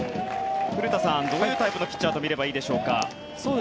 古田さん、どういうタイプのピッチャーと見ればいいでしょうか？